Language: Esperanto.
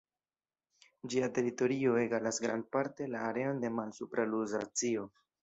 Ĝia teritorio egalas grandparte la areon de Malsupra Luzacio.